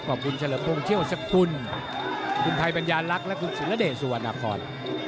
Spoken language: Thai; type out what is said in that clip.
กับคุณเฉลิมพงศ์เชี่ยวสกุลคุณภัยบัญญาลักษณ์และคุณศิลเดชสุวรรณคร